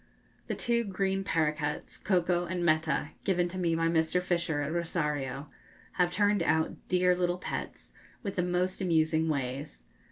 The two green paroquets, 'Coco' and 'Meta,' given to me by Mr. Fisher at Rosario, have turned out dear little pets, with the most amusing ways.